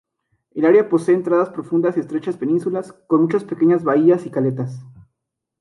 El área posee entradas profundas y estrechas penínsulas, con muchas pequeñas bahías y caletas.